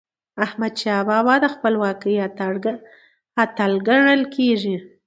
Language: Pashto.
احمدشاه بابا د خپلواکی اتل ګڼل کېږي.